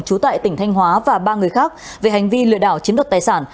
trú tại tỉnh thanh hóa và ba người khác về hành vi lừa đảo chiếm đoạt tài sản